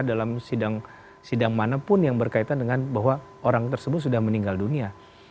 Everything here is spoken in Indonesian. dalam sidang manapun yang berkaitan dengan bahwa orang tersebut sudah meninggal dunia